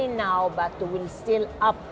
akan masih berlaku